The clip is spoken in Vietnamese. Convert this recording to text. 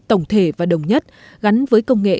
tổng thể và đồng nhất gắn với công nghệ